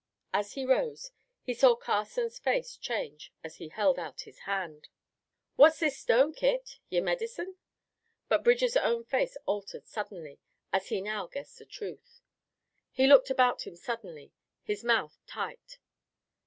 As he rose he saw Carson's face change as he held out his hand. "What's this stone, Kit yer medicine?" But Bridger's own face altered suddenly as he now guessed the truth. He looked about him suddenly, his mouth tight.